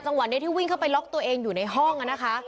วัดนี้ที่วิ่งเข้าไปล็อกตัวเองอยู่ในห้องนะคะ